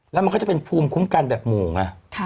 แล้วมันก็จะเป็นภูมิคุ้มกันแบบหมู่ไง